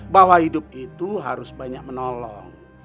bahwa hidup itu harus banyak menolong